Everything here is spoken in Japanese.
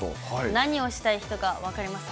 何をしたい人か分かりますか？